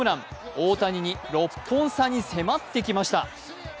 大谷に６本差に迫ってきました。